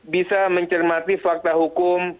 bisa mencermati fakta hukum